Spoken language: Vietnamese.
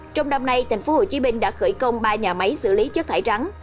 trong năm nay tp hcm đã khởi công ba nhà máy xử lý chất thải rắn